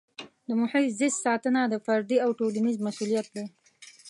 د محیط زیست ساتنه د فردي او ټولنیز مسؤلیت دی.